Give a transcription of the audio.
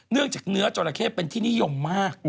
เนื้อจากเนื้อจราเข้เป็นที่นิยมมาก